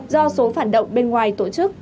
do số phản động bên ngoài tổ chức